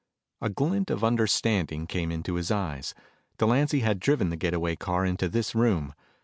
A glint of understanding came into his eyes. Delancy had driven the get away car into this room.